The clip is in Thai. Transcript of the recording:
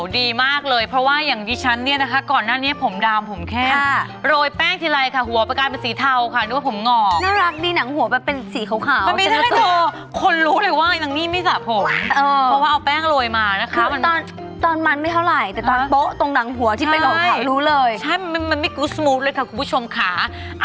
ดีมากเลยเพราะว่าอย่างดิฉันเนี่ยนะคะก่อนหน้านี้ผมดามผมแค่โรยแป้งทีไรค่ะหัวประกายเป็นสีเทาค่ะนึกว่าผมงอกน่ารักดีหนังหัวแบบเป็นสีขาวคนรู้เลยว่านางนี่ไม่สระผมเพราะว่าเอาแป้งโรยมานะคะตอนตอนมันไม่เท่าไหร่แต่ตอนโป๊ะตรงหนังหัวที่เป็นของไม่รู้เลยใช่มันไม่กุสมูทเลยค่ะคุณผู้ชมค่ะ